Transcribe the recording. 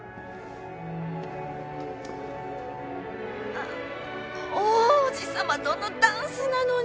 あっ王子さまとのダンスなのに！